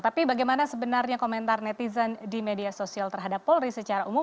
tapi bagaimana sebenarnya komentar netizen di media sosial terhadap polri secara umum